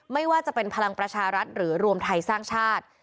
ไม่ว่าจะเป็นพลังประชารัฐหรือรวมไทยสร้างชาติ